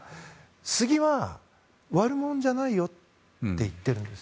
スギは悪者じゃないよと言っているんです。